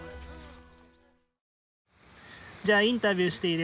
じゃあインタビューしていいですか？